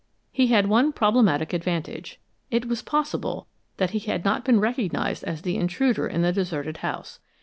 He had one problematic advantage it was possible that he had not been recognized as the intruder in the deserted house.